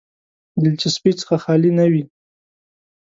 دلچسپۍ څخه خالي نه وي.